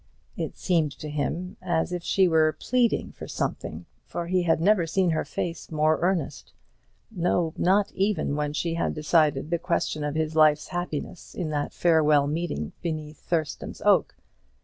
It seemed to him as if she was pleading for something, for he had never seen her face more earnest, no, not even when she had decided the question of his life's happiness in that farewell meeting beneath Thurston's oak.